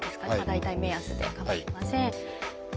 大体目安でかまいません。